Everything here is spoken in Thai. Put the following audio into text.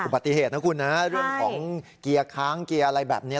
ปฏิเหตุนะคุณนะเรื่องของเกียร์ค้างเกียร์อะไรแบบนี้